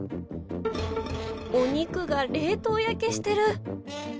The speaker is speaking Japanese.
お肉が冷凍焼けしてる。